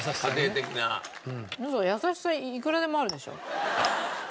ウソ優しさいくらでもあるでしょ。